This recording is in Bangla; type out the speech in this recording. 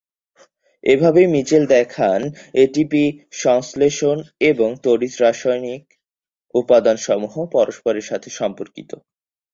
এভাবেই মিচেল দেখান, এটিপি সংশ্লেষণ এবং তড়িৎ-রাসায়নিক উপাদানসমূহ পরস্পরের সাথে সম্পর্কিত।